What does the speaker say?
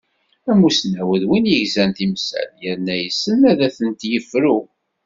Amusnaw d win yegzan timsal yerna yessen ad atent-yefru.